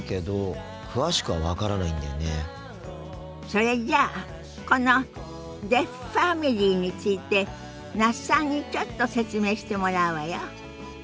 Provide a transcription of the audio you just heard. それじゃあこのデフファミリーについて那須さんにちょっと説明してもらうわよ。